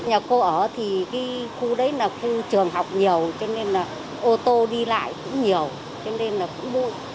nhà cô ở thì cái khu đấy là khu trường học nhiều cho nên là ô tô đi lại cũng nhiều cho nên là cũng bụi